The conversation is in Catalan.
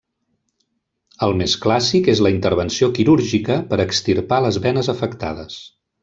El més clàssic és la intervenció quirúrgica per extirpar les venes afectades.